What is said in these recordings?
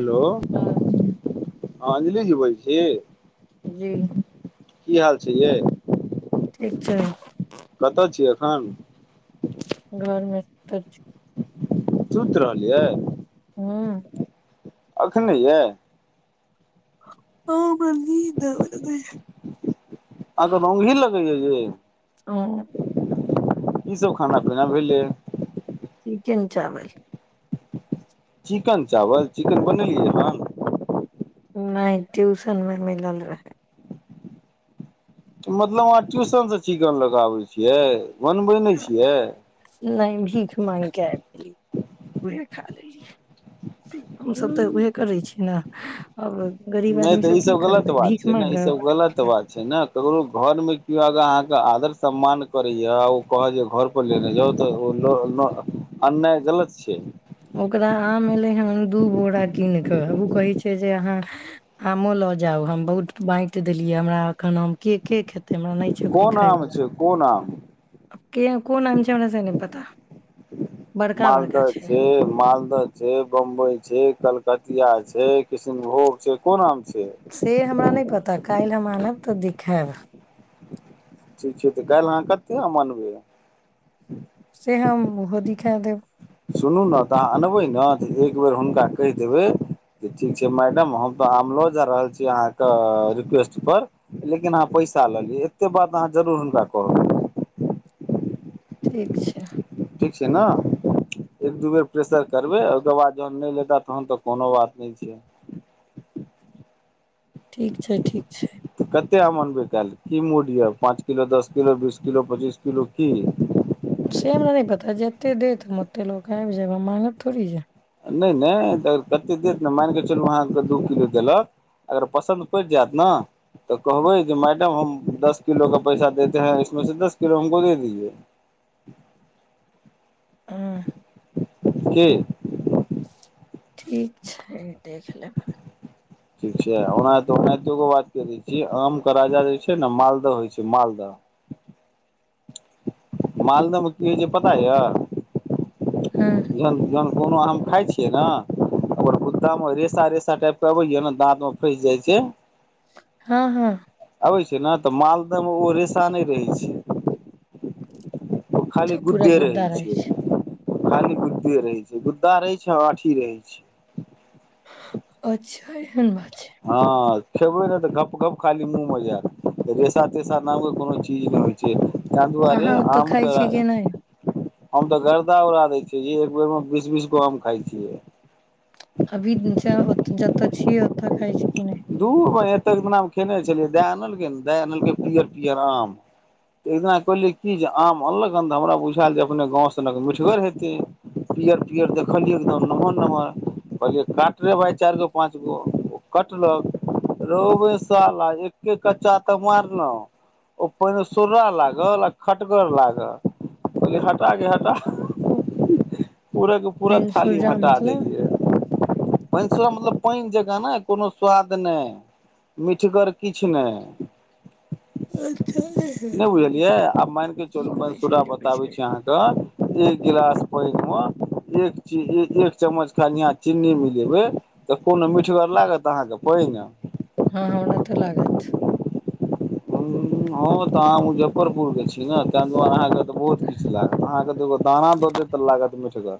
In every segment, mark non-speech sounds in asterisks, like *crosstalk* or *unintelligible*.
Hello हँ अंहीं से की बजै छी जी की हाल छै यै ठीक छै हाँ घरमे त सुूति रहलियै हूँ हँ एखन यए आ बली द अहाँके *unintelligible* ओ की सभ खाना पीना भेलै चिकन चावल चिकन चावल चिकन बनेलियै हमन नहि ट्यूशन मे मिलल रहै मतलब अहाँ ट्यूशनसँ चिकन लगाबै छियै बनबै नहि छियै नहि भीख मांगि कए उह खा लेली हमसभ तऽ उहे करै छीय ने अब नहि तऽ ईसभ गलत बात छै ने ईसभ गलत बात छै ने ककरो घरमे केओ अगर अहाँके आदर सम्मान करैएा आ ओ कहै जे घर पर लेने जाउ तऽ ओ अन्याय गलत छै ओकरा आम एलै हेन दू बोरा कीन कऽ आब ओ कहैत छै जे अहाँ आमो लऽ जाउ हम बहुत बाँटि देलियै हमरा एखन आम के के खेत कोन आम छै कोन आम आब के कोन आाम छै हमरा से नहि पता बड़का बड़का मालदह छै मालदह छै बम्बई छै कलक कतिया छै कृशनभोग छै कोन आम छै से हमरा नहि पता काल्हि हम आनब तऽ देखाब ठीक छै तऽ काल्हि अहाँ कतेक अनबैय से हम ओहो दिखा देब सुनू ने तऽ अहाँ अनबै ने तऽ एक बेर हुनका कहि देबै जे ठीक छै मैडम हम तऽ आम लऽ जा रहल छी अहाँके रिक्वेस्टपर लेकिन अहाँ पैसा लऽ लियै एतेक बात अहाँ जरूर हुनका करू ठीक छै ठीक छै ने एक दू बेर प्रेसर करबै ओहिके बाद जहन नहि लेता तहन तऽ कोनो बात नहि छै ठीक छै ठीक छै कतेक अमन ब क की मूड यऽ पाँच किलो दश किलो बीस किलो पचीस किलो की य सेम नहि पता जेते दे त मते लोक आब जा माँंगथोड़ छै नै नै माईन क चलु अहां कें दु किलो देलक पसन पैडि जायत न क़हबैय मैडम हम दस किलो का पैसा देते हैं इसमें से दस किलो हमको दे दीजिये हँ के ठीक छै देख लेबै ठीक छै ओनाते ओनाहितो ग बात करै छीय आमके राजा जे छै ने मालदह होइ छै मालदह मालदहमे की होइ छै पता यए हँ जञान ग्ञान कोनो आम खाइ छियै ने ओकर कुद्दामे रेसा रेसा टाइपके अबैय ने दाँतमे फँसि जाइ छै हँ हँ अबै छै ने तऽ मालदहमे ओ रेेशा नहि रहै छै ओ खाली अच्छा पूरा गुद्दे रहै गुद्दा छै छैियै खाली गुद्दे रहै छै गुद्दा रहै छै आ आठी रहै छै अच्छा एहन बात छै हँ खेबै ने तऽ गप गप खाली मुँहमे जायत रेसा तेसा नामके कोनो चीज नहि होइ छै तें दुआरे अहाँ ओतऽ आम खाइ कह छी कि नहि हम तऽ गरदा उड़ा दै छियै जी एक बेर मे बीस बीस गो आम खााय छियै अभी जतऽ छीयै ओतऽ खाइ छी किी ने दू ब एत एक दिना खेने छलियै दा आनलै दानलकै पियर पियर आम तऽ एक दिना कहलियै कि जे आम अनलकन तऽ हमरा बुझायल जे अपने गाँ सनक मिठगर हेतै पियर पियर देखलियै एकदम नमहर नमहर कहलियै कट रहे भाय चारि गो पाँच गो ल र साला एके कच्चा तऽ मारलहु ओ पहिने सरा लागल आ खटगर लागल कहलिए हटा गे हटा पूरे के पूरा पानि थाली सूर्या हटा मतलब देलियै व छ मतलब पानि जगह न कोनो स्वाद नहि मीठगर किछु नहि ओ नहि बुझलियै आब मान केे चलूं हँ बुझि पइनसूरा गेलियै बुझि बताबै गेलियै। छी अहाँके एक गिलास पइन मे एक चीनी एक चम्मच चीन्नी मिलेबे तऽ कोनो मिठगर लागत अहाँके पानि हँ हमरा तऽ लागत हँ तऽ मु जजफ्फरपुरके छी नहि त दुआ अहाँके तऽ बहुत किछु लागत अहाँके तऽ एगो दाना दऽ देत तऽ लागत मिठगर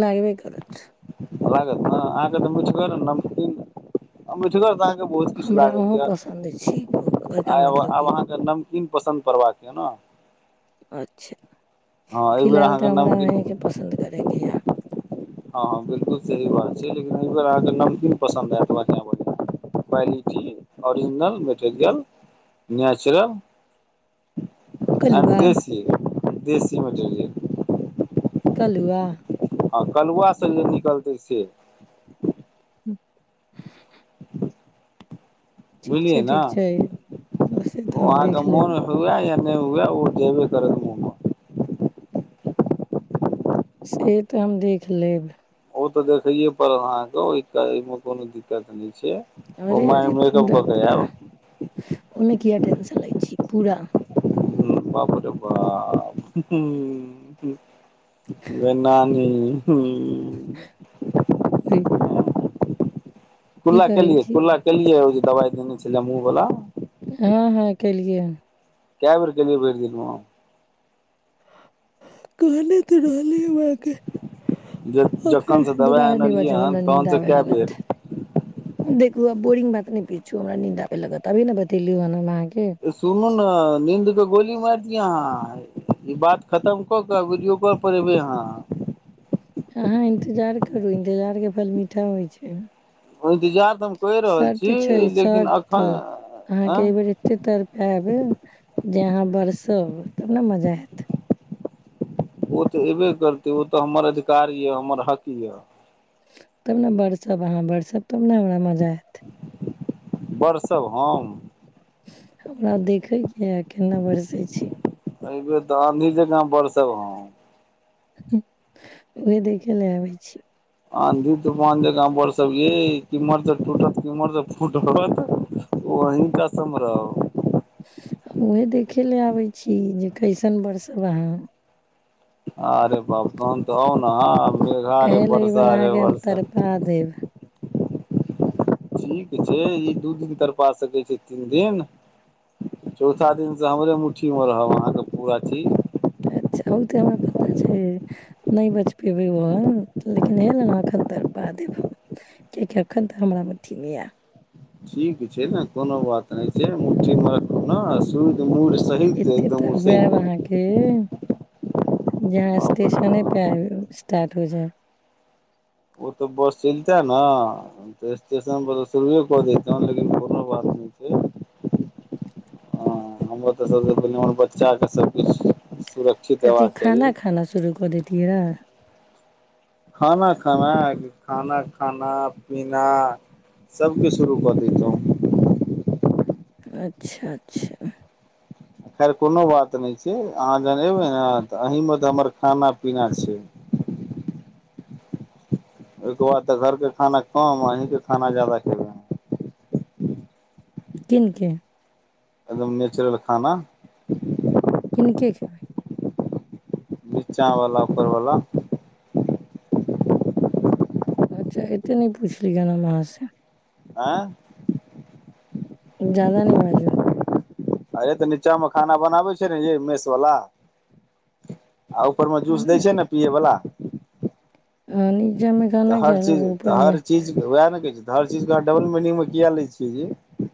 लागबे करत लागत ने अहां कें त मिठगर नमकीन मिठगर त अहां बहुत किछ हमरा लागैय अहूँ या पसन्द छी एकर आइ मतलब कि अन्हा कें नमकीन पसंद करबा दियो न अच्छा फिलहाल अहाँके तऽ हमरा अहीं नमकीन के पसन्द करे किया हँ हँ बिलकुल सही बात छै लेकिन एहि बेर अहाँके नमकीन पसन्द हएत बढ़िआँ बढ़िआँ क्वालिटी ओरिजिनल मेटेरियल नेचुरल आ कलुआ बेसिय देशी मछलए कलुआ हँ कलहुआसँ जे निकलतै से हु ठीक बुझलियै छै ने ठीक छै बसे तऽ ओ हम अहाँके देख मोन लेबै हुए या नहि हुए ओ जेबे करै मुह से तऽ हम देख लेब ओ ते देखये पड़ल अहां के ओ मे कोनो दिक्कत नहि छै ओ अरे माइ अरे मेकअप पूरा कऽ के पूरा आयब ओने किया च लै छी पूरा बाप रे बाप ग न न हँ हुँ ओहि कि कुला कहै कलियै छी कुला कलियै दबइ कने छलै मुँह बला हँ हँ केलियै कबर क लिय परदमा कहने त रहली जे जखन से अखन दवाइ दुबारा नहि आनलियै बाजब हन हमरा नींन्द तहन से आबे कए लागत बेर देख बोरिंग बात नहि पीछु हमरां आलगे तभे ने बतेलु सुनल नीद के गोली मार दिय अहाँ ई बात खतम कऽ क वीडियो कॉ पर एबै अह अहाँ इन्तजार करू इन्तजार के फल मीठा होइ छै इन्तजार तऽ हम कहि रहल शर्त छी छै लेकिन शर्त एखन आँ अहाँके एहि बेेर एतेक तर पायब जे अहाँ बरसब तब ने मजा हयत ओ तऽ अयबे करतै ओ तऽ हमर अधिकार यऽ हमर हक यए तब ने वरसप अहाँ बरसप तब ने हमरा मजा आयत वरषब हम हमरा देखयके ह केना बरसै छी एहि बेेर तऽ आंधी जकाँ बरस ह उह देखे लए आबै छी आंधी तूमान जकाँ बर सब यमहर त टूटत केम्हर त फूटत वही क समरा ओहे देख खेले आबै छी जे कैइसन बरसब अहाँ अरे बाप कोन तऽ आउ ने मेघा रे एल ई बार वर्षा रे अहाँके हम वर्षा तड़पा देब ठीक छै ई दू दिन कररपा सकैत छै तीन दिन चौथा दिनसँ हमरे मु्ठीमे रहब अहाँके पूरा चीज अच्छा ओ तऽ हमरा पता छै नहि बचि पयबै ओहन लेकिन हयल ने एखन तऽ पा देब हम किएकि एखन तक हमरा अथीमे आए ठीक छै ने कोनो बात नहि छै मुठी रख ने सू एते तकब अहाँके जहाँ बाप रे स्टेशने पे बाप आ स्टार्ट हो जाय ओ तऽ बस चलितै ने तऽ स्टेशनपर तऽ शुरुए कऽ देैतहु लेकिन कोनो बात नहि छै हँ हमर तऽ सभसँ प हमर बच्चाके सभकिछु कथ खाना खाना शुरू दैतई रहे खाना खाना खाना खाना पीना सभके शुरू कऽ दैतहुँ अच्छा अच्छा खैर कोनो बात नहि छै अहाँ जखन अयबै ने तऽ अहीँमे तऽ हमर खाना पीना छै ओहिके बाद तऽ घरके खाना कम अहीं के खाना जादा खेबे है किननके एकदम नेचुरल खाना किनके खेबै नीचा वालला ओकर वाला अच्छा एते नहि पुछलिय ग ने हम वहाँ से आँ जदा न बाजू अरे तऽ नीचामे खाना बनाबै छै ने ये मेषवला आऊपर मे जूस दै छै ने पियए वला ह नीचामे खाना तऽ हर क ल चीज तऽ ऊपरमे हर चीज उएह ने कहै छी तऽ हर चीजके अहाँ डबल मीनिंगमे कििया लै छियै जी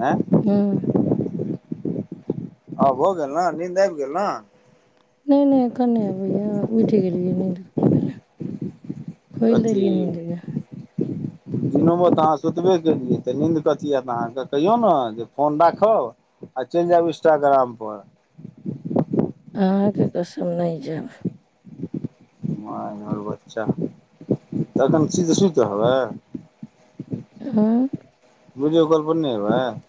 हँए हुँ हँ हो गेल ने नींन्द आबि गेल ने नहि नहि क भैय बैठी गेलऐ नींद *inaudible* कोयल देल नन्दीय दिन मे तऽ अहाँ सुतबे केलियै तऽ नीन्द क अथी हएत अहाँकेँ कहियौ ने जे फोन राखब आ चलि जायब इंस्टाग्रामपर अहाँके कसम नहि जायब महर बच्चा तखन सुीधऽ सुतऽ हबै आँ वीडियो कॉल पर नहि हयबै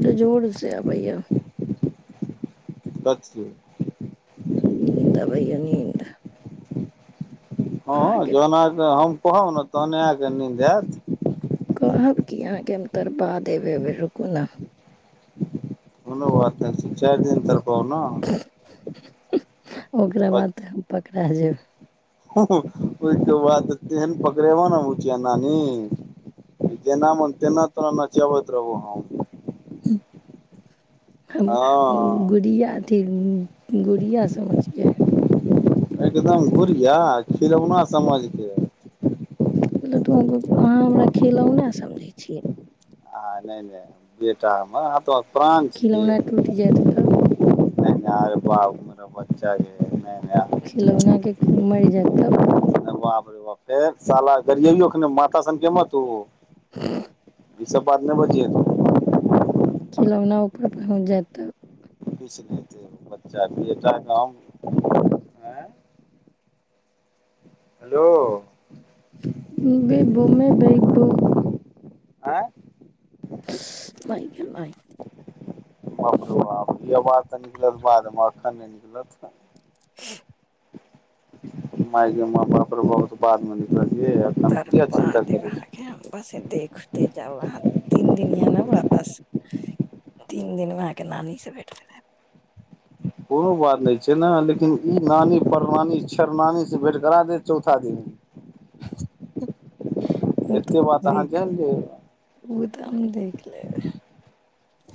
क जोरसँ आबैय या कथि नीन्द आबैय या नीन्द हँ जन तऽ हम कहब ने तऽ आय कें नींद आयत कहब कि यहाँके हम तर बाद देबेबे रुकू न ओनो बात चारि दिन तर बना हुँ ओकरा बाद हम पक रा जेब ओहिके बाद तेहन पकड़ेब ने उच नानी जेना मन तेना तोरा नचबैत रहबो हम ह्म हँ गुड़िया गुड़िया समझ ग एकदम गुुरिया खिलौना समझके मतलब त अहाँ हमरा खेलउ नहि समझै छियै ह नहि नहि बेटा हमर प्राण खिलौना टूटि जायत तब नार बाप बच्चा य *unintelligible* खिलौनाके की मरि जायत तब बाप फेर साला गरियैयौ अखने माथा सनकेमे तू हँ ई सब बात नै बजीहे खिलौना ऊपर पहुँच जायत तब पीछ बच्चा बेटा गाम आंय हेलो *unintelligible* बूमे बैबू *unintelligible* आँय नहि भेलइ इहो बात तऽ निकलत बादमे अखन नहि निकलत *inaudible* मायगे मे पाप रौ बा उ तऽ बादमे निकल तरपा देब अहाँके हम बस इ देख ते जाउ अहाँ तीन दिन ये न वापस तीन दिन मे अहाँके नानी से भेठ कराएब कोनो बात नहि छै ने लेकिन ई नानी परनानी छेर नानीसँ भेँट करा देत चौथा दिन ह *inaudible* एतेक बात अहाँ जाइन लियौ उ तऽ हम देख लेब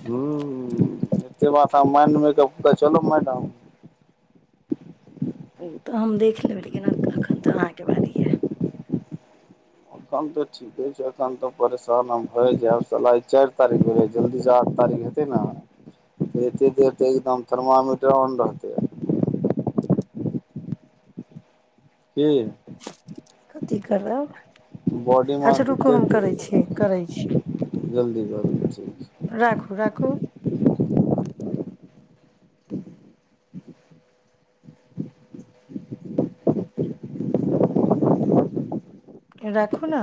हूँ एतेक बात माइंड मेकअप कऽ चलु मैडम ओ तऽ हम देख लेबै लेकिन एखन तऽ अहाँके बारी ये एखन तऽ ठीके छै एखन तऽ परेशान हम भए जाएत साला आइ चारि तारीख भऽ गेलै जल्दी सँ आठ तारीख हेतै न तऽ एतेक देर तऽ एकदम थर्मामीटर ओन रहतै की कथी करबै बॉडी अच्छ मास रूकू एते हम करै छी करै छी *inaudible* राखू राखू *inaudible* *inaudible* राखू न